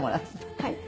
はい。